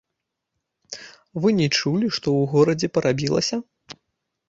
Вы не чулі, што ў горадзе парабілася?